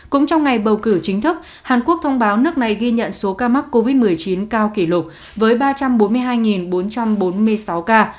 cũng trong ngày bầu cử chính thức hàn quốc thông báo nước này ghi nhận số ca mắc covid một mươi chín cao kỷ lục với ba trăm bốn mươi hai bốn trăm bốn mươi sáu ca